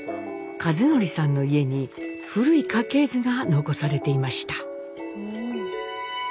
和則さんの家に古い家系図が残されていました。